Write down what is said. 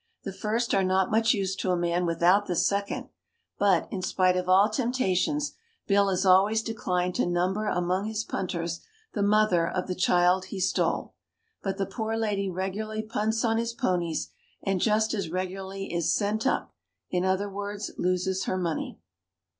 The first are not much use to a man without the second; but, in spite of all temptations, Bill has always declined to number among his punters the mother of the child he stole. But the poor lady regularly punts on his ponies, and just as regularly is "sent up" in other words, loses her money.